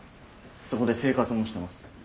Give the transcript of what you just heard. そこで生活もしてます。